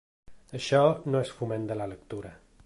Això no és foment de la lectura.